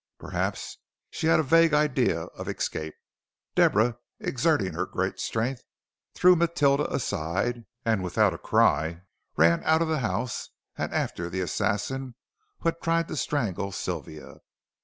Perhaps she had a vague idea of escape. Deborah, exerting her great strength, threw Matilda aside, and without a cry ran out of the house and after the assassin who had tried to strangle Sylvia.